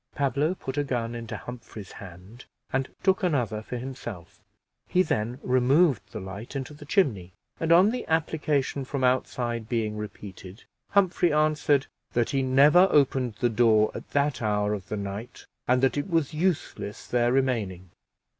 Pablo put a gun into Humphrey's hand, and took another for himself; he then removed the light into the chimney, and on the application from outside being repeated, Humphrey answered, "That he never opened the door at that hour of the night, and that it was useless their remaining."